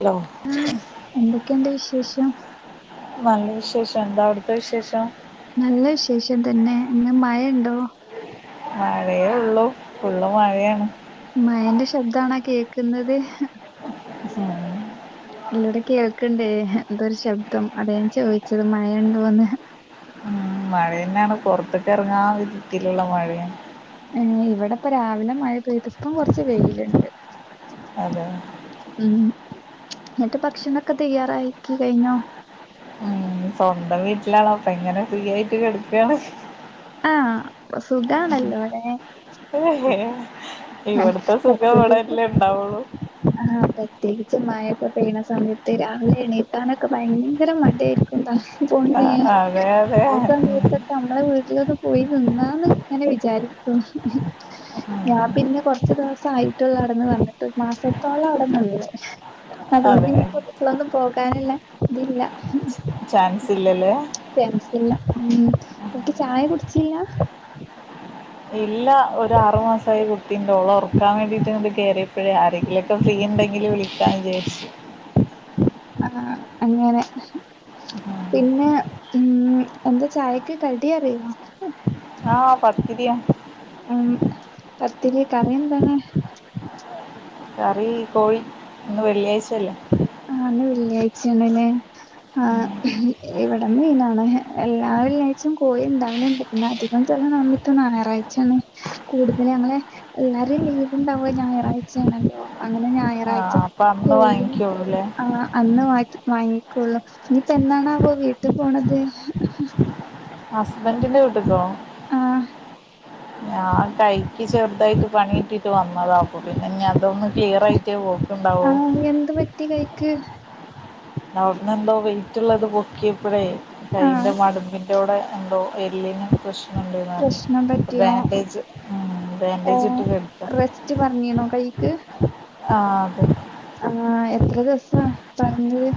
Hello ആ എന്തൊക്കെയുണ്ട് വിശേഷം? നല്ല വിശേഷം എന്താ അവ്ട്ത്തെ വിശേഷം നല്ല വിശേഷം തന്നെ ഇന്ന് മഴ ഇണ്ടോ മഴയേ ഒള്ളൂ ഫുള്ള് മഴയാണ് മഴെന്റെ ശബ്ദാണോ ആ കേക്ക്ന്നത് [unintelligible] ഇല്ലൊടെ കേൾക്ക്ണ്ട് എന്തോരു ശബ്ദം അതാ ഞാൻ ചോയ്ച്ചത് മഴ ഇണ്ടോന്ന് ഉം, മഴ ന്നാൺപൊറത്ത് ക്ക് എറങ്ങാവിധത്തില്ള്ള മഴയാണ് ഏ ഇവടപ്പ രാവില മഴ പെയ്ത് ഇപ്പം കൊറച്ച് വെയ്ൽ ഇണ്ട് അതെ മ് ന്ന്ട്ട് ഭക്ഷണക്കെ തയ്യാറായിക്കി കഴിഞ്ഞോ ഉം, സ്വന്തം വീട്ടിലാണപ്പ ഇങ്ങനെ ഫ്രീ യായി റ്റ് കെട്ക്കാണ് ആഹ് സുഖാണല്ലോലേ ഇ ഹ് ഇവട്ത്ത സുഖം ഇവടല്ലേ ഇണ്ടാവൊള്ളു ആഹ് പ്രത്യേകിച്ച് മയൊക്കെ പെയ്യ്ണ സമയത്ത് രാവിലെ എണീക്കാനൊക്കെ ഭയങ്കര മടിയാരിക്കും ആ, പോണില്ലേ അതെ അതെ ഉം, ആസമയത്ത് നമ്മളെ വീട്ട്ലൊന്ന് പോയി നിന്നാന്ന് ങ്ങനെ വിചാരിക്കും ഉം, ഞാ പിന്നെ കൊറച്ച് ദിവസആയിട്ടൊള്ളു അവടെന്ന് വന്ന്ട്ട് മാസത്തോളം അവടെ നിന്ന് അത്കൊണ്ട് അതെ ഇനിപ്പം ഇപ്ലഒന്നും പോകാന്ള്ള ഇതില്ല ചാൻസില്ലല്ലേ ച്ചാൻസില്ല മ് ന്ന്ട്ട് ചായ കുടിച്ചില്ല ഇല്ല ഒര് ആർമാസായി കുടി ട്ടിണ്ട് ഓളെ ഒറക്കാ വേണ്ടിട്ട് ഇണ്ട് കേറിയപ്പഴേ ആരെങ്കിലൊക്കെ ഫ്രീ ഇണ്ടെങ്കിൽ വിളിക്കാന്ന് വിചാരിച്ച് ആഹ് അങ്ങനെ പിന്നെ മ് എന്താ ചായക്ക് കടിഅറിയോ ആഹ് പത്തിരിയ ഉം പത്തിരി കറി എന്താണ് കറി കോഴി ഇന്ന് വെള്ളിയാഴ്ച്ചല്ലേ ആഹ് ഇന്ന് വെള്ളിയാഴ്ച്ചേണ് ലേ ആഹ് ഇവടെ മീനാണ് എല്ലാ വെള്ളിയാഴ്ച്ചിം കോഴി ഇണ്ടാവല്ണ്ട് പിന്നെ അധികം ചല സമിത്ത് ഞാറായ്ച്ചേണ് കൂടുതൽ ഞങ്ങളെ എല്ലാരും ലീവ് ഇണ്ടാവ ഞാറാഴ്ച്ചേ ണല്ലോ അങ്ങനെ ഞായറാ ആഹ് അപ്പഅന്ന് വാങ്ങിക്കൊള്ളുലേ ആഹ് അന്ന് വാകി വാങ്ങി കൊള്ളൂ ഇനിപ്പ എന്നാണാവോ വീട്ട് പോണത് ഹസ്ബന്റിന്റെ വീട്ട്ക്കൊ ആഹ് ഞാൻ കൈക്ക് ചെർതായിട്ട് പണി കിട്ടിട്ട് വന്നതാ അപ്പൊ പിന്നെ ഇഞ് അതൊന്ന് ക്ലിയറായിറ്റേ പോ ആഹ് എന്ത് പറ്റി കൈക്ക് അവ്ട്ന്ന് എന്തോ വെയ്റ്റ്ള്ളത് പൊക്കിപ്പഴേ കയ്യിന്റെ ആഹ് മടബ്ന്റെ അവടെ എന്തോ എല്ലിന് പ്രശ്നണ്ട് ന്ന് പറഞ്ഞു പ്രശ്നം പറ്റിയോ ബാൻഡേജ് ഉം ബാൻഡേജ് ഇട്ട് കട്ക്ക റ്റ് പറഞ്ഞീന്നോ കൈക്ക് ആഹ് അതെ ആഹ് എത്ര ദിവസ്സാ പറഞ്ഞത്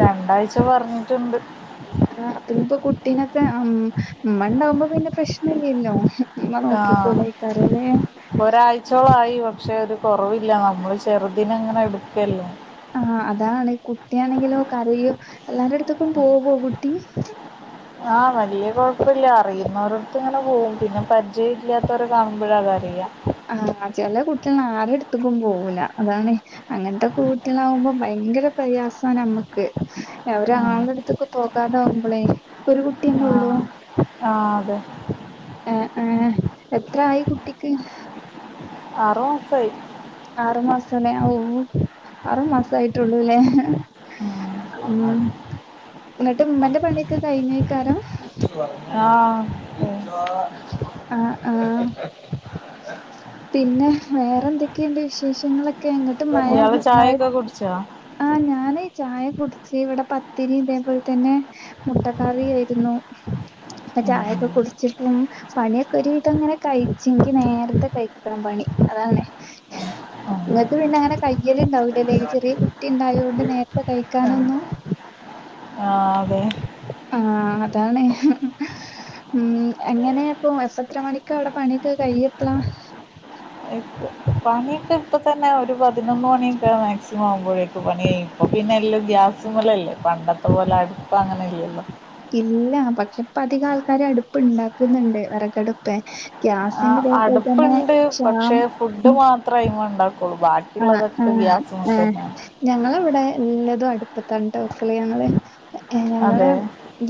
രണ്ടാഴ്ച്ച പറഞ്ട്ട്ണ്ട് ആഹ് അപ്പ ഇഞ്പ്പൊ കുട്ടീ നൊക്കേ അമ് ഇമ്മണ്ടാവുമ്പോ പിന്നെ പ്രശ്നല്ലല്ലോ ഇമ്മ നോക്കികോളയ്ക്കാര ലേ ച്ചോളായി പക്ഷെ ഒരു കൊറവില്ല നമ്മൾ ചെറുതിനെ ഇങ്ങനെ എടുക്കല്ലേ ആഹ് അതാണ് കുട്ടിയാണെങ്കിലോ കരയോ എല്ലാര അടുത്തുക്കും പോവോ കുട്ടി ആഹ്‌ വല്ല്യ കൊഴപ്പല്ല്യ അറിയുന്നവരട്ത്ത് ഇങ്ങനെ പോവും പിന്നെ പരിചയം ഇല്ലാത്തോരേ കാണുബാഴാ കരയാ ആഹ് ചെില കുട്ടികൾ ആരും എടുത്തക്ക പോകൂല അതാണ് അങ്ങനത്തെ കുൂട്ടികളാാവുമ്പോ ഭയങ്കര പ്രയാസമാണ് നമ്മുക്ക് ഉം ഒരാളടു ഇതൊക്കെ പോകാതാവുമ്പോളേ ഇ ഒരു കുട്ടിയന്നെ ഉള്ളൂ ആഹ് ആഹ് അതെ ആഹ് ആഹ് എത്ര ആയി കുട്ടിക്ക് ആറോ മാസായ് ആറുമാസല്ലേ ഓ ആറുമാസയിട്ടുള്ളൂല്ലേ ഉം ഉം എന്നിട്ട് ഉമ്മാന്റെ പണിയൊക്കെ കഴിഞ്ഞേക്കാരം ആഹ് ആഹ് ആഹ് [unintelligible] പിന്നെ വേറെ എന്തൊക്കെയുണ്ട് വിശേഷങ്ങളൊക്കെ അങ്ങോട്ട് മഴ മഴ അച്ച ആഹ് ഞാന് ഈ ചായ കുടിച്ച് ഇവിടെ പത്തിരി ഇതേപോലെ തന്നെ മുട്ടക്കറി ആയിരുന്നു അപ്പൊ ഉം ഉം ചായൊക്കെ കുടിച്ചിട്ടും പണിയൊക്കെ ഒരു വിധം അങ്ങനെ കഴിച്ചെങ്കി നേരത്തെ കഴിക്കണം പണി അതങ്ങനെ ഉം ഇങ്ങട്ട് പിന്നെ അങ്ങനെ കയ്ക്കൽ ഉണ്ടാവില്ലല്ലേ ചെറിയ കുട്ടി ഉണ്ടായത്ണ്ട് നേരത്തെ കഴിക്കാനൊന്നും ആഹ് അതെ ആഹ് അതാണ് ഉം എങ്ങനെയപ്പൊ എപ്പ എത്ര മണിക്ക അവിടെ പണിയക്കെ കഴിയപ്പള എപ്പ പണിയൊക്കെ ഇപ്പൾ തന്നെ ഒരു പതിനൊന്ന് മണിയൊക്കെ മാക്സിമം ആവുമ്പോഴേക്കെ പണിയ ചെയ്യും ഇപ്പൊ പിന്നെ എല്ല ഗ്യാസ് മുലല്ലേ പണ്ടത്തെ പോലെ അടുപ്പം അങ്ങനെ ഇല്ലല്ലോ ഇല്ല പക്ഷെപ്പ അതികം ആൾക്കാര് അടുപ്പ്ണ്ടാക്കുന്നുണ്ട് വിറകടുപ്പ ആഹ് അടുപ്പുണ്ട് പക്ഷേ ഫുഡ് മാത്രമായി്മ ഉണ്ടാക്കുള്ളൂ ബാക്കി ആഹ് ആഹ് ആഹ് ഞങ്ങള ഇവിടെ എല്ലതും അടുപ്പത്ത തട്ട് വെക്കള് ഞങ്ങള് ഞങ്ങള് അതെ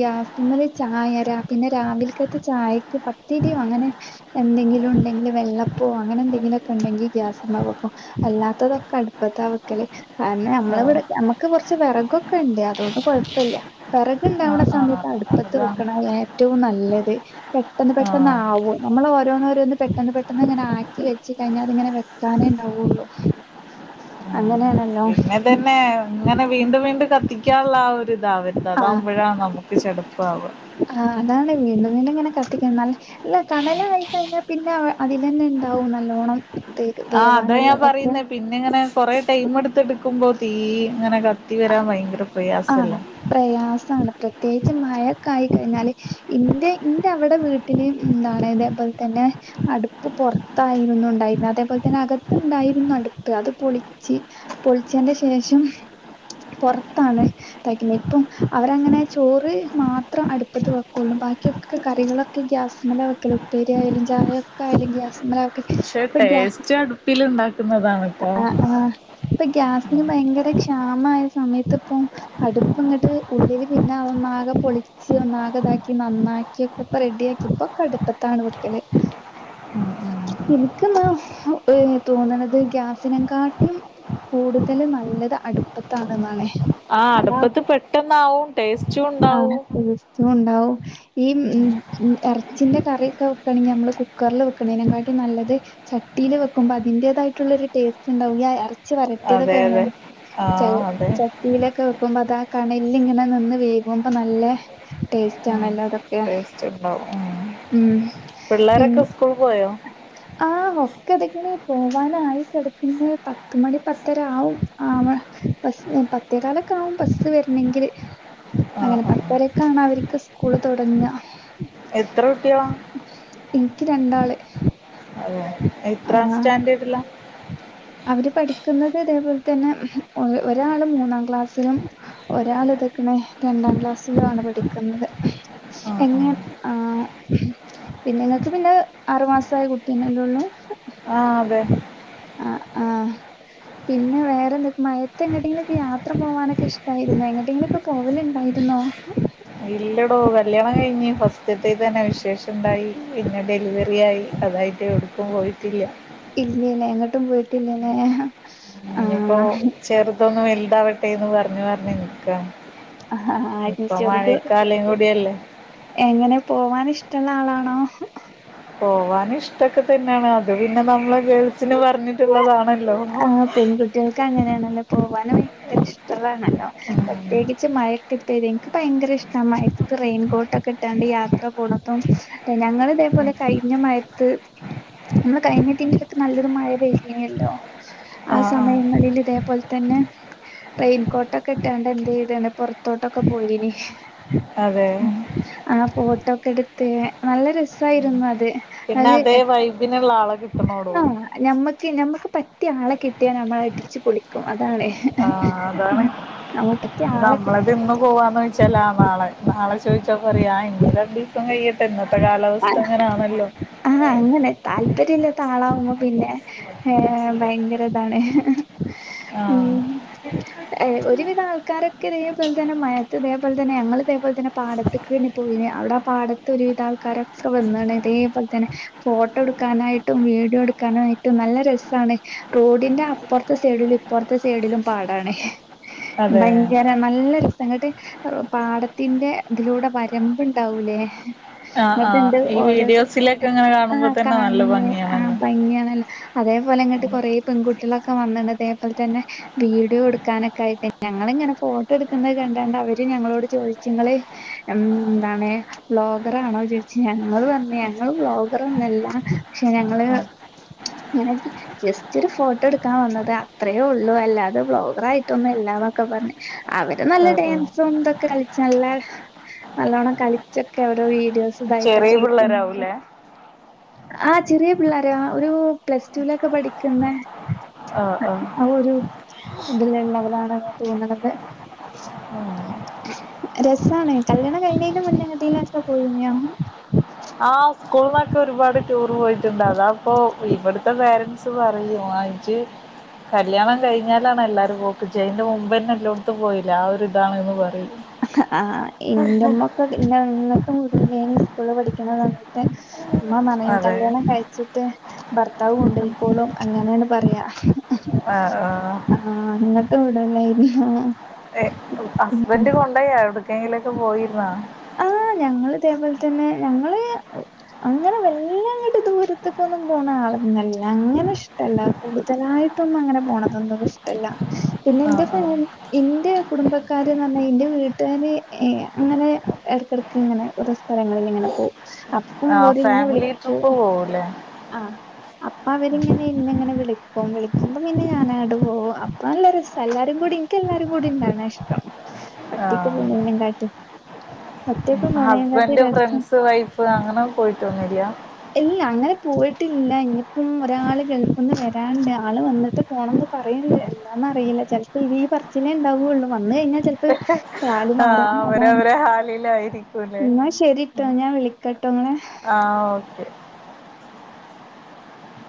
ഗ്യാസ്റൂമില് ചായ അരാ പിന്നെ രാവിലക്കത്ത ചായക്ക് പത്തിരിയും അങ്ങനെ എന്തെങ്കിലും ഉണ്ടെങ്കിൽ വെള്ളപ്പമോ അങ്ങനെ എന്തെങ്കിലുമൊക്കെ ഉണ്ടെങ്കിൽ ഗ്യാസ ഉമാകപ്പോോ അല്ലാത്തതൊക്കെ അടുപ്പത്തെ വയ്ക്കല്ലേ കാരണം നമ്മള ആഹ് ഇവിടെ നമ്മുക്ക് കുറച്ച് വിറകൊക്കെ ഉണ്ട് അതുകൊണ്ട് കൊഴപ്പില്ല വെറകുണ്ടാവുന്ന ആഹ് സമയത്ത് ആഹ് അടുപ്പത്ത് അതാണ് വെക്കണത് ഏറ്റവും നല്ലത് പെട്ടെന്ന് പെട്ടെന്ന് ആഹ് ആകോ നമ്മള ഓരോന്നോഓരോന്ന് പെട്ടെന്ന് പെട്ടെന്ന് ഇങ്ങനെ ആക്കി വെച്ച് കഴിഞ്ഞാ അത് ഇങ്ങനെ വെക്കാന [unintelligible] അങ്ങനെയണല്ല പിന്നെ തന്നെ ഇങ്ങനെ വീണ്ടും വീണ്ടും കത്തിക്കാനുള്ള ആഹ് ഒരു ഇതാവരുത് അതാവുമ്പോഴാണ് നമുക്ക് [unintelligible] ചെടപ്പാവ ആഹ് അതാണ് വീണ്ടും വീണ്ടും ഇങ്ങനെ കത്തിക്ക ന്നാല് ഇല്ല കണലായി കഴിഞ്ഞാ പിന്നെ അതിലന്നെണ്ടാവും നല്ലോണ്ണം തെ തെ ആഹ് അതാ ഞാൻ പറയുന്ന പിന്നെ ഇങ്ങനെ കൊറെ ടൈം എടുത്ത് എടുക്കുമ്പോ തീ ഇങ്ങനെ ക കത്തി ആ വരാൻ ഭയങ്കര ആ, പ്രയാസല്ലെ പ്രയാസാണ് പ്രത്യേകിച്ച് മഴക്കായി കഴിഞ്ഞാല് ഇന്റെ ഇന്റെ അവടെ വീട്ട പിന്നീം എന്താണ് ഇതേപോലെ തന്നെ അടുപ്പ് പൊറത്തായിരുന്നു ഉണ്ടായിരുന്ന അതേപോലെ തന്നെ അകത്തുണ്ടായിരുന്നു അടുപ്പ് അത് പൊളിച്ച് ആഹ് പൊൾച്ചേന്റെ ശേഷം പൊർത്താണ് തയ്ക്കിണിപ്പും അവരങ്ങനെ ചോറ് മാത്രം അടുപ്പത്ത് വെക്കൊള്ളു ബാക്കിയൊക്കെ കറികള ക്കെ ഗ്യാസ്മല വെക്കല് ഉപ്പേരി ആയാലും ചായയൊക്കായാലും ഗ്യാസ്മ്മലാ വെ പക്ഷെ ടേസ്റ്റ് അടുപ്പില്ണ്ടാക്കുന്നതാണ് ആഹ് ആഹ് ഇപ്പൊ ഗ്യാസിന് ഭയങ്കര ക്ഷാമായ സമയത്ത് ഇപ്പം അടുപ്പ് ഇങ്ങട്ട് ഉള്ളില് പിന്നെ അത് ഒന്നാകെ പൊളി ഷ് ഒന്നാഗതാക്കി നന്നാക്കി ഒക്കെപ്പൊ റെഡിയാക്കിത് ഇപ്പോക്കെ അടുപ്പത്താണ് വെക്കല് [inaudible] ഇന്ക്ക്ന്നാ ഏ തോന്നണത് ഗ്യാസിനം കാട്ടിലും കൂടുതല് നല്ലത് അടുപ്പത്താണെന്നാണെ ആ അടുപ്പത്ത് പെട്ടന്നാവും ടേസ്റ്റും ണ്ടാവും ഓ ഉണ്ടാവും ഈ ഉം ഉം എറച്ചിന്റെ കറിക്കെ വെക്കാണെങ്കിൽ നമ്മള് കുക്കർല് വെക്ക്ണിനെക്കാട്ടിലും നല്ലത് ചട്ടീല് വെക്കുമ്പോ അതിന്റേതായിട്ടുള്ളൊരു ടേസ്റ്റ് ഉണ്ടാവും യ എർ ച്ചി അതെ അതെ വരട്ടിയതൊക്കാവാം ച ആഹ് അതെ ച തീയിലൊക്കെ വെക്കുമ്പോ അതാ കണലിലിങ്ങനെ നിന്ന് വേകുമ്പൊ നല്ല ടേസ്റ്റ് ഉം ആണല്ലോ അതൊ യ ടേസ്റ്റ് ഉണ്ടാവും ഉം ഉം പിന്ന പിള്ളേരൊക്കെ സ്കൂൾ പോയോ ആഹ് ഒക്കതക്ക്ണ് പോവാനായി കെടക്കുമ്പോയ് പത്ത് മണി പത്തര ആവും ആവാ പക്ഷേ പത്തേകാലൊ ക്കാവും ബസ് വര്ണെങ്കില് ആഹ് അങ്ങനെ ആഹ് പത്തരെക്കാണ് അവർക്ക് സ്കൂള് തൊടങ്ങ എത്ര കുട്ട്യാളാ ഇൻക്ക് രണ്ടാള് അതെയൊ എത്രാം ആഹ് സ്റ്റാൻഡേഡിലാ അവര് പഠിക്കുന്നത് ഇതേപോലതന്നെ ഒരാള് മൂന്നാം ക്ലാസ്സിലും ഒരാള് തക്ക്ണ് രണ്ടാം ക്ലാസ്സിലു ആണ് പഠിക്കുന്നത് ആഹ് എങ്ങെ ആഹ് ആ പിന്നെ ഇങ്ങക്ക് പിന്നെ ആറുമാസായ കുട്ടീനല്ലേള്ളൂ ആ അതെ അ ആ പിന്നെ വേറെ എന്തൊക്കെ മയത്തെങ്ങട്ടെങ്കിലുക്കെ യാത്ര പോവാനൊക്കെ ഇഷ്ടായിരുന്നോ എങ്ങട്ടെങ്കിലുക്കെ പോവലുണ്ടായിരുന്നോ ഇല്ലടോ കല്യാണം കഴിഞ്ഞ് ഫസ്റ്റ്ത്തീ തന്നെ വിശേഷംണ്ടായി പിന്നെ ഡെലിവറി വറിയായി അതായിട്ട് എടുക്കും പോയിട്ടില്ല ഇല്ലലെ എങ്ങട്ടും പോയിട്ടില്ലലെ ഇഞ്ഞിപ്പോ ചെറുതൊന്ന് വലുതാവട്ടെന്ന് പറഞ്ഞ് പറഞ്ഞ് നിക്കാ ആഹ് ഇപ്പൊ ചെറുത് മഴക്കാലം കൂടിയല്ലേ എങ്ങനെ പോവാൻ ഇഷ്ടള്ള ആളാണോ പോവാന് ഇഷ്ടക്കെ തന്നെണ് അത് പിന്നെ നമ്മളെ ഗേൾസിന് പറഞ്ഞിട്ടുള്ളതാണല്ലോ ഉം. ആഹ് പെൺകു കുട്ടികൾക്ക് അങ്ങനെണല്ലോ പോവാനും ഭയങ്കര ഇഷ്ടുള്ളാണല്ലോ പ്രത്യേകിച്ച് മയത്ത് ര് നിക്ക് ഭയങ്കര ഇഷ്ട മയത്ത് റെയിൻകോട്ടൊക്കെ ഇട്ടാണ്ട് യാത്ര പോണതും ഞങ്ങളിതേപോലെ കഴിഞ്ഞ മയത്ത് നമ്മള് കഴിഞ്ഞ [unintelligible] നല്ലൊരു മഴ പെയ്തീനിയല്ലോ ആ സമയങ്ങളിൽ ഇതേപോലെ തന്നെ റെയിൻകോട്ടൊക്കെ ഇട്ടാണ്ട് എന്തെയ്ത്ണ് പുറത്തോട്ടൊക്കെ പോയിന് അതെ ആ ഫോട്ടോക്കെ എടുത്ത് നല്ല രസായിരുന്നു അത് പിന്നെ അത് അതേ വൈബിനുള്ള ആളെ കിട്ടണോടോ നമ്മക്ക് നമ്മക്ക് പറ്റിയ ആളെ കിട്ടിയാ നമ്മളടിച്ച് പൊളിക്കും അതാണ് ആ അതാണ് ഉം നമുക്കത്തെ ആളെ കി നമ്മളത് ഇന്ന് പോവാന്ന് ചോദിച്ചാ ആ നാളെ നാളെ ചോദിച്ചാ പറിയും ഇഞ്ഞീ രണ്ടി സം കഴിയട്ടെ ഇന്നത്തെ കാലാവസ്ഥ അങ്ങനെയാണല്ലോ ആ അങ്ങനെ താല്പ ല്ലതാളാവുമ്പോ പിന്നെ ഏ ഭയങ്കര ഇതാണ് ആഹ് ഉം ഏ ഒരുവിധ ആൾക്കാരക്കെ തേപോൽതന്നെ മയത്ത് തേപോൽതന്നെ ഞങ്ങള് തേപലെതന്നെ പാടത്തക്ക് പോയി അവിടെ ആ പാടത്ത് ഒരുവിധ ആൾക്കാരൊക്കെ വന്ന്ണ് ഇതേപോലെ തന്നെ ഫോട്ടോ എടുക്കാനായിട്ട് ട്ടും വീഡീയോടുക്കാനായിട്ടും നല്ല രസാണ് റോഡിന്റെ അപ്പുറത്തെ സൈഡിലും ഇപൊറത്തെ സൈഡിലും പാടാണ് അതെ ഭയങ്കര നല്ല രസങ്ങട്ട് പാടത്തിന്റെ ഇതിലൂടെ വരമ്പുണ്ടാവൂലേ ആ ആ എന്നിട്ടുണ്ട് ഈ ഓരോ വീഡിയോസിലൊക്കെങ്ങനെ കാണുമ്പോതന്നെ നല്ല ഭംഗിയണല്ലോ ണല്ലോ അതേപോലെങ്ങട്ട് കൊറേ പെൺകുട്ട്യാളൊക്കെ വന്ന്ണ് തേപോലെതന്നെ വീഡിയോട്ക്കാനൊക്കെ ഞങ്ങള്ങ്ങനെ ഫോട്ടോടുക്കുന്നത് കണ്ടാണ്ട് അവര് ഞങ്ങളോട് ചോദിച്ചു നിങ്ങള് ഉം എന്താണ് വ്ലോഗറാണോ ചോദിച്ചു ഞങ്ങള് പർഞ് ഞങ്ങള് വ്ലോഗർ ഒന്നല്ല പക്ഷേ ഞങ്ങള് ആഹ് അന ജസ്റ്റ് ഒരു ഫോട്ടോടുക്കാൻ വന്നത അത്രെഉള്ളൂ അല്ലാതെ വ്ലോഗറായിട്ടൊന്നും എല്ലാന്നൊക്കെ പറഞ് അവര് നല്ല ആഹ് ആഹ് ഡാൻസും തൊക്കെ കളിച്ച് നല്ല നല്ലോണം കളിച്ചൊക്കെ അവര് വീഡിയോസ് സുഖായിട്ടൊക്കെ ചെറിയ എടുക്കുംന്ന പിള്ളേരാവൂലേ ആ ചെറിയ പിള്ളോര ഒരു പ്ലസ് ടുലൊക്കെ പഠിക്കുന്ന ആഹ് ആഹ് ആ ഒരു ഇതിലള്ളവലാണെന്ന തോന്നണത് ഉം രസണ് കല്യാണം കഴിഞ്ഞന്റെ മുന്നട്ടേയിലൊക്കെ പോയിനിയോ ആ സ്കൂൾന്നൊക്കെ ഒരുപാട് ടൂർ പോയിട്ടുണ്ട് അതാപ്പോ ഇവിടുത്തെ പേരൻറ്സ് പറയും ആ ഇജ് കല്യാണം കഴിഞ്ഞാലാണ് എല്ലാരും പോക്ക് ഇജയ്ന്റെ മുമ്പന്നെ എല്ലോടത്തും പോയിലെ ആ ഒരു ഇതാന്ന് പറയും ആ ഇന്റെമ്മക്കെ ഇന്നെങ്ങട്ടും വിടൂലെനി സ്കൂള പഠിക്കണ കാലത്ത് മ്മ പറിം അതെ കല്യാണം കഴിച്ചിട്ട് ഭർത്താവും കൊണ്ടയിക്കോളും അങ്ങനെണ് പറയാ ആ ങ്ങട്ടും വിടൂലാര്ന്നു ഹസ്ബൻഡ് കൊണ്ടയി എവിടക്കെങ്കിലൊക്കെ പോയിനോ ആ ഞങ്ങൾതേപോലെ തന്നെ ഞങ്ങള് അങ്ങനെ വല്ലാംങ്ങട്ട് ദൂരത്തേക്കൊന്നും പോണ ആളല്ല അങ്ങനെ ഇഷ്ടല്ല കൂടുതലായിട്ടൊന്നും അങ്ങനെ പോണതന്നും ഇഷ്ല്ല പിന്നെ ആ ന്റെ ആ ഫമി ന്റെ കുടുംബക്കാര്ന്ന് പറഞ്ഞ ന്റെ വീട്ട് - ട്ടാര് അങ്ങനെ ഇടക്കിടക്ക്ങ്ങനെ ഓരോ സ്ഥലങ്ങളില് ങ്ങനെപോവും അപ്പം ഓര് ന്നേ വിളിക്കും പോവൂലെ ആഹ് അപ്പൊ അവരിങ്ങനെ ന്നെങ്ങനെ വിളിക്കും വിളിക്കുമ്പ പിന്നെ ഞാനാങ്ങട്ട് പോവും അപ്പ നല്ല രസ എല്ലാരും കൂടി ന്ക്ക് എല്ലാരും കൂടി ഇണ്ടാണ ഇഷ്ടം ആ ഒറ്റക്ക് പോവുണേകാട്ടീലും ഹസ്ബന്ഡ് ഫ്രണ്ട്സ് വൈഫ് അങ്ങനെ പോയിട്ടോന്നൂല്യ ഇല്ല അങ്ങനെ പോയിട്ടില്ല ഇഞ്പ്പം ഒരാള് ഗൾഫ്ന്ന് വരാണ്ട് ആള് വന്നിട്ട് പോണം ന്ന് പറയണ്ട് എന്താന്നറിയില്ല ചെലപ്പനി ഈ പറച്ചിലേ ണ്ടാവുള്ളൂ വന്ന് കഴിഞ്ഞാൽ ചെൽപ്പോ ത് കാല് ആ മാറും അതാണ് അവരവരെ ഹാലിലായിരിക്കൂലേ ന്നാ ശരി ട്ടോ ഞാൻ വിളിക്കട്ടോ ങ്ങളെ ആ ഓക്കെ